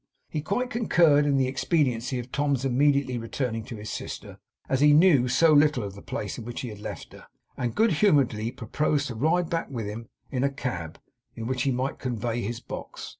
He quite concurred in the expediency of Tom's immediately returning to his sister, as he knew so little of the place in which he had left her, and good humouredly proposed to ride back with him in a cab, in which he might convey his box.